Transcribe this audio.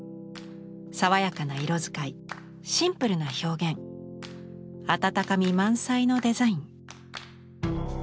爽やかな色使いシンプルな表現温かみ満載のデザイン。